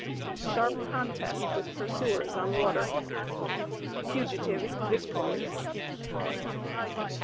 SHARP CONTEST WITH PURSUERS ON WATER. FUGITIVES VICTORIOUS.